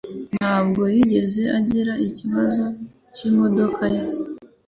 ntabwo yigeze agira ikibazo cyimodoka ye.